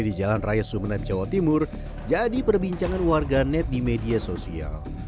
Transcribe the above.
di jalan raya sumeneb jawa timur jadi perbincangan warga net di media sosial